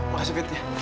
makasih fit ya